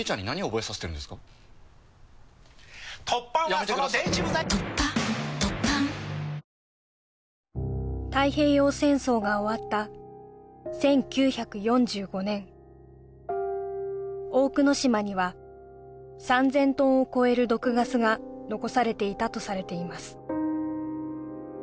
これもう何年になるかこれ太平洋戦争が終わった１９４５年大久野島には３０００トンを超える毒ガスが残されていたとされています